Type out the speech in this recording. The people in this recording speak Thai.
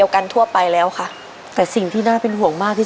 คุณผู้ชมก็อยู่ประมาณวันที่๑๓